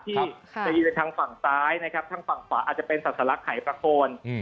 ที่จะยืนไปทางฝั่งซ้ายนะครับทางฝั่งขวาอาจจะเป็นศาสลักหายประโคน